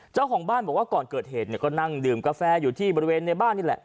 เจ้าของบ้านบอกว่าก่อนเกิดเหตุเนี่ยก็นั่งดื่มกาแฟอยู่ที่บริเวณในบ้านนี่แหละ